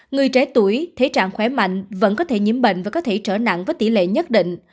người trẻ tuổi thế trạng khỏe mạnh vẫn có thể nhiễm bệnh và có thể trở nặng với tỷ lệ nhất định